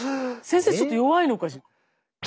ちょっと弱いのかしら？